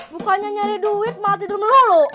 bukannya nyari duit malah tidur melulu